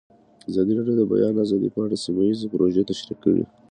ازادي راډیو د د بیان آزادي په اړه سیمه ییزې پروژې تشریح کړې.